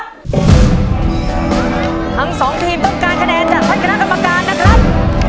ทั้งสองทีมต้องการคะแนนจากท่านคณะกรรมการนะครับ